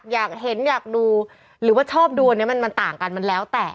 อยากเห็นอยากดูหรือว่าชอบดูอันนี้มันต่างกันมันแล้วแต่